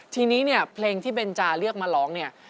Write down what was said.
ทีนี้เพลงที่เบนชาเลือกมาร้องนี่